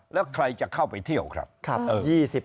แล้วใครจะเข้าไปเที่ยวครับ